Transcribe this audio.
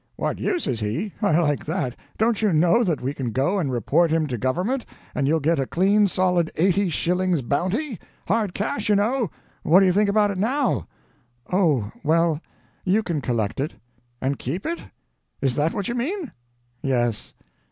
"What use is he? I like that. Don't you know that we can go and report him to Government, and you'll get a clean solid eighty shillings bounty? Hard cash, you know. What do you think about it now?" "Oh, well, you can collect it." "And keep it? Is that what you mean?" "Yes."